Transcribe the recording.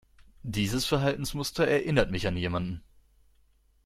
Dieses Verhaltensmuster erinnert mich an jemanden.